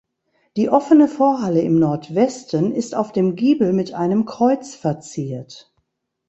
Die offene Vorhalle im Nordwesten ist auf dem Giebel mit einem Kreuz verziert.